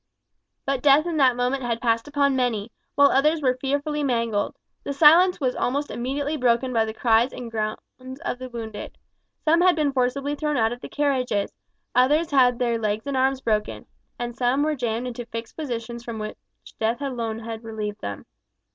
But death in that moment had passed upon many, while others were fearfully mangled. The silence was almost immediately broken by the cries and groans of the wounded. Some had been forcibly thrown out of the carriages, others had their legs and arms broken, and some were jammed into fixed positions from which death alone relieved them.